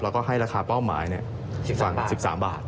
แล้วก็ให้ราคาเป้าหมาย๑๓บาท